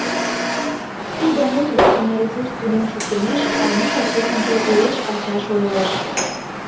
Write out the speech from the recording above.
Тиде мут-влакым наизусть тунем шуктымеш Анита семынже уэш-пачаш ойлыш.